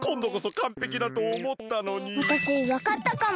わたしわかったかも。